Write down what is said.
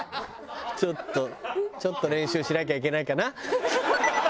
ちょっとちょっと練習しなきゃいけないかな。